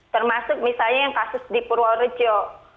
termasuk misalnya yang kasus di purworejo